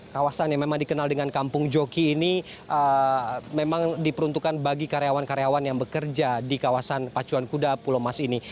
kawasan yang memang dikenal dengan kampung joki ini memang diperuntukkan bagi karyawan karyawan yang bekerja di kawasan pacuan kuda pulau mas ini